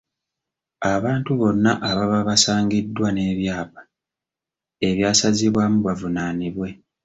Abantu bonna ababa basangiddwa n’ebyapa ebyasazibwamu bavunaanibwe.